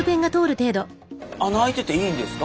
穴開いてていいんですか？